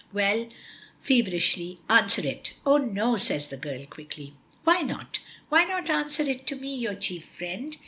"Well," feverishly, "answer it." "Oh, no," says the girl quickly. "Why not? Why not answer it to me, your chief friend?